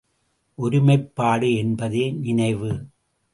ஒருமைப்பாடு என்பதே நினைவு.